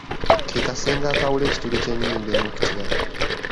Ke kasenge akaawula ekituli ky’ennyindo emu ku kirala.